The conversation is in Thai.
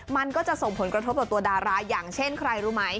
มันก็จะส่งผลกระทบต่อตัวดาราอย่างเช่นใครรู้ไหม